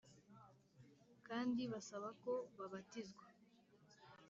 kandi basaba ko babatizwa